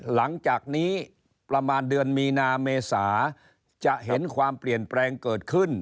หลังจากนี้ประมาณเดือนมีนาเมษาจะเห็นความเปลี่ยนแปลงเกิดขึ้น